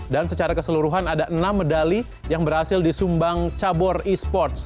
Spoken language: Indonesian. dan secara keseluruhan ada enam medali yang berhasil disumbang cabur e sports